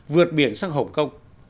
vượt biển sang hồng kông